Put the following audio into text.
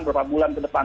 berapa bulan ke depan